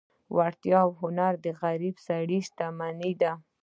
وړتیا او هنر د غریب سړي شتمني ده.